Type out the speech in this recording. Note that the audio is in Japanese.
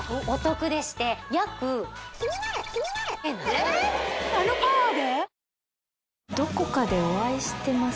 えっあのパワーで？